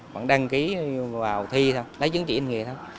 bạn đăng ký vào thi thôi lấy chứng chỉ hành nghề thôi